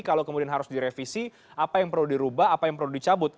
kalau kemudian harus direvisi apa yang perlu dirubah apa yang perlu dicabut